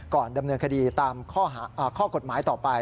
ก่อนดำเนินคดีตามข้อกฎหมายต่อไป